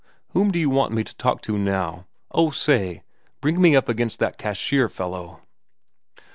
Whom do you want me to talk to now?—Oh, say, bring me up against that cashier fellow."